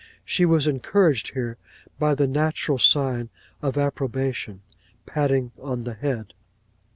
She was encouraged here by the natural sign of approbation, patting on the head.